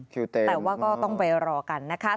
คิวเต็มแต่ว่าก็ต้องไปรอกันนะคะ